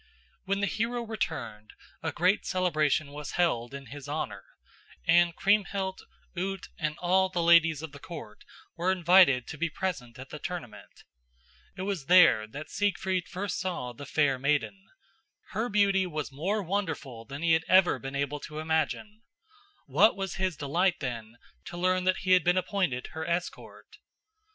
When the hero returned, a great celebration was held in his honor, and Kriemhild, Ute and all the ladies of the court were invited to be present at the tournament. It was there that Siegfried first saw the fair maiden. Her beauty was more wonderful than he had ever been able to imagine. What was his delight, then, to learn that he had been appointed her escort.